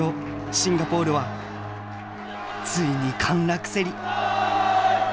シンガポールは遂に陥落せり」。